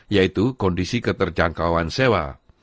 yaitu kondisi keterjangkauan sewa